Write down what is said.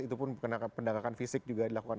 itu pun pendagangan fisik juga dilakukan